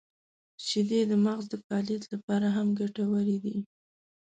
• شیدې د مغز د فعالیت لپاره هم ګټورې دي.